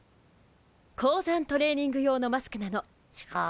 高山トレーニング用のマスクなのシュコー。